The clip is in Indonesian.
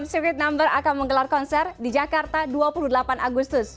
sivit number akan menggelar konser di jakarta dua puluh delapan agustus